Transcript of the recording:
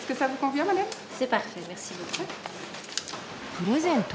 プレゼント？